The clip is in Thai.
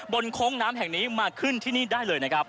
โค้งน้ำแห่งนี้มาขึ้นที่นี่ได้เลยนะครับ